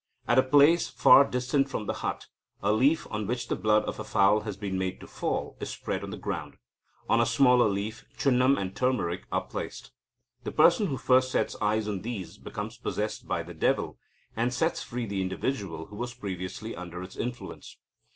At a place far distant from the hut, a leaf, on which the blood of a fowl has been made to fall, is spread on the ground. On a smaller leaf, chunam and turmeric are placed. The person who first sets eyes on these becomes possessed by the devil, and sets free the individual who was previously under its influence.